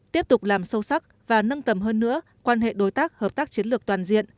tiếp tục làm sâu sắc và nâng tầm hơn nữa quan hệ đối tác hợp tác chiến lược toàn diện